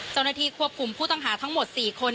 เจ้าหน้าที่ควบคุมผู้ต้องหาทั้งหมด๔คน